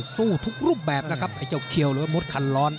สู้ทุกรูปแบบนะครับไอ้เจ้าเคียวมดคันร้อน